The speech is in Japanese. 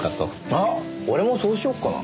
あっ俺もそうしようかな。